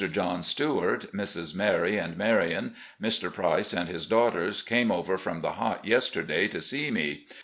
John Stewart, Misses Maiy and Marian, Mr. Price and his daughters came over from the Hot yesterday to see me.